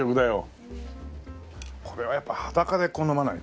これはやっぱ裸でこう飲まないとな。